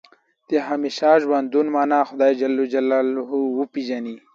د همیشه ژوندون معنا خدای جل جلاله وپېژني.